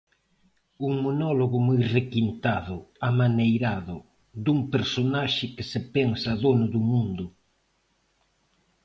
"Un monólogo moi requintado, amaneirado, dun personaxe que se pensa dono do mundo".